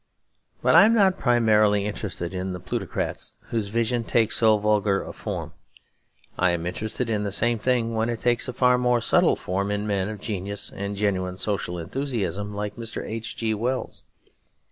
But I am not primarily interested in the plutocrats whose vision takes so vulgar a form. I am interested in the same thing when it takes a far more subtle form, in men of genius and genuine social enthusiasm like Mr. H. G. Wells.